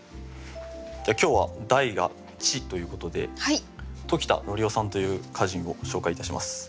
今日は題が「地」ということで時田則雄さんという歌人を紹介いたします。